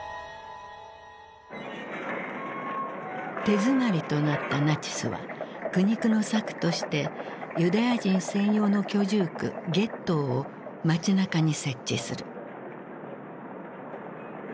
手詰まりとなったナチスは苦肉の策としてユダヤ人専用の居住区ゲットーを街なかに設置する。